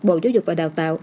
bộ giáo dục và đào tạo